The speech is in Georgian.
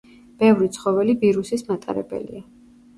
ბევრი ცხოველი ვირუსის მატარებელია.